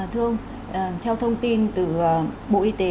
thưa ông theo thông tin từ bộ y tế